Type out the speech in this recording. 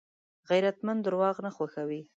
غیرتمند درواغ نه خوښوي